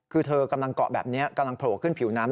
คือเธอกำลังเกาะแบบนี้กำลังโผล่ขึ้นผิวน้ำ